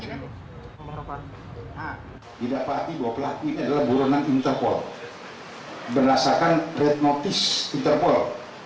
tidak apa apa ini adalah buronan interpol berdasarkan red notice interpol